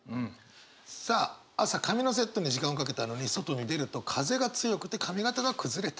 さあ朝髪のセットに時間をかけたのに外に出ると風が強くて髪形が崩れた。